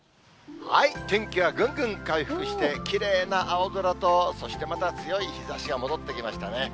天気はぐんぐん回復して、きれいな青空と、そしてまた強い日ざしが戻ってきましたね。